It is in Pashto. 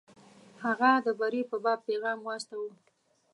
هغه د بري په باب پیغام واستاوه.